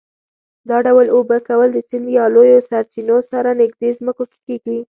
دا ډول اوبه کول د سیند یا لویو سرچینو سره نږدې ځمکو کې کېږي.